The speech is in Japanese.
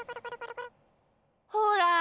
ほら